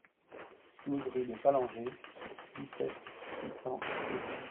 douze rue des Ballangers, dix-sept, six cents à Saujon